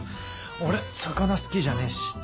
俺魚好きじゃねえし。